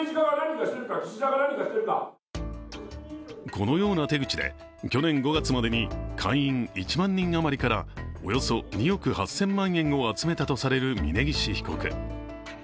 このような手口で去年５月までに会員１万人余りからおよそ２億８０００万円を集めたとされる峯岸被告。